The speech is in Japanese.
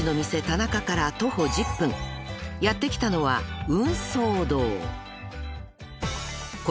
タナカから徒歩１０分やって来たのは芸艸堂］